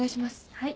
はい。